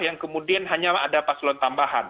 yang kemudian hanya ada paslon tambahan